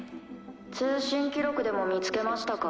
通信記録でも見つけましたか？